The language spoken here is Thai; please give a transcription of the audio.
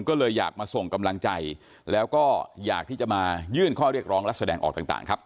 ก็เลยอยากมาส่งกำลังใจแล้วก็อยากที่จะมายื่นข้อเรียกร้องและแสดงออกต่างครับ